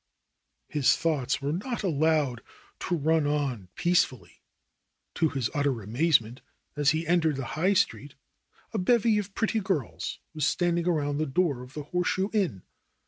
His thoughts were not allowed to run on peacefully. To his utter amazement as he entered the High Street a bevy of pretty girls was standing around the door of the Horseshoe Inn.